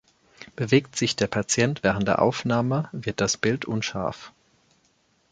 Bewegt sich der Patient während der Aufnahme, wird das Bild unscharf.